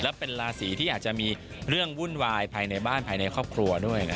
และเป็นราศีที่อาจจะมีเรื่องวุ่นวายภายในบ้านภายในครอบครัวด้วย